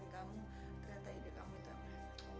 nggak sadar kalau kamu juga dosa